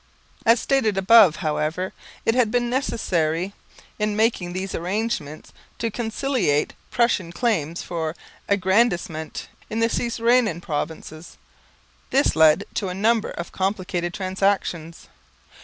As stated above, however, it had been necessary in making these arrangements to conciliate Prussian claims for aggrandisement in the cis Rhenan provinces. This led to a number of complicated transactions.